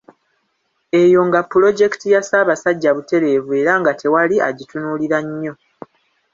Eyo nga pulojekiti ya Ssaabasajja butereevu era nga tewali agitunuulira nnyo.